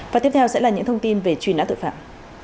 và tiếp theo sẽ là những thông tin về truy nã tội phạm